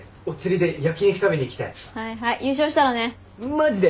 マジで？